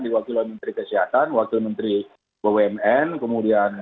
di wakil menteri kesehatan wakil menteri bumn kemudian